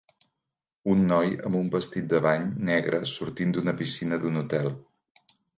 Un noi amb un vestit de bany negre sortint d'una piscina d'un hotel.